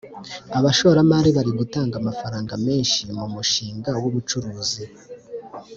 Abashoramari bari gutanga amafaranga menshi mu mushinga w’ubucuruzi